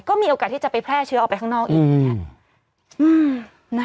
ก็มีโอกาสที่จะไปแพร่เชื้อออกไปข้างนอกอีกอย่างนี้